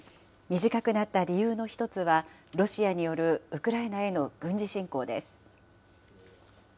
短くなった理由の１つは、ロシアによるウクライナへの軍事侵攻です。